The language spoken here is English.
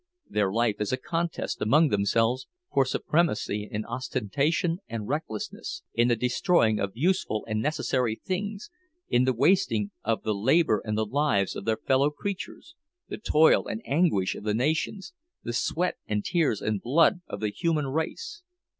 Their life is a contest among themselves for supremacy in ostentation and recklessness, in the destroying of useful and necessary things, in the wasting of the labor and the lives of their fellow creatures, the toil and anguish of the nations, the sweat and tears and blood of the human race!